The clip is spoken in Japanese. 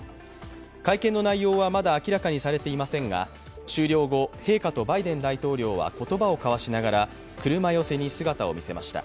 会見の内容はまだ明らかにされていませんが、終了後、陛下とバイデン大統領は言葉を交わしながら、車寄せに姿を見せました。